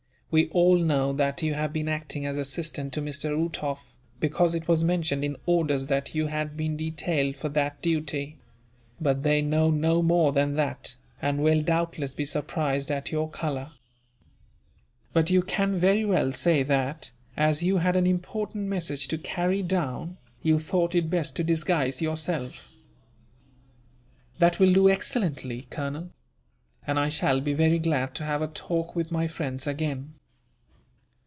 We all know that you have been acting as assistant to Mr. Uhtoff, because it was mentioned in orders that you had been detailed for that duty; but they know no more than that, and will doubtless be surprised at your colour. But you can very well say that, as you had an important message to carry down, you thought it best to disguise yourself." "That will do excellently, Colonel; and I shall be very glad to have a talk with my friends again."